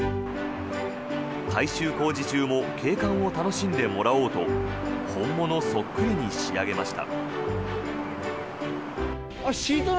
改修工事中も景観を楽しんでもらおうと本物そっくりに仕上げました。